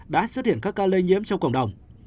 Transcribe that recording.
đã xuất hiện các ca lây nhiễm trong cộng đồng